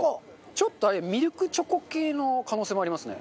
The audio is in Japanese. ちょっとミルクチョコ系の可能性もありますね。